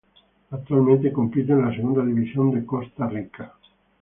Actualmente compite en la Segunda División de Costa Rica.